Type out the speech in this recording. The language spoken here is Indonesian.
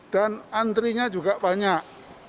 dan antrinya juga banyak